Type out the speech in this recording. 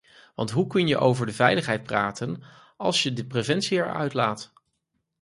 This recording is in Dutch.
Want hoe kun je over de veiligheid praten als je de preventie eruit laat?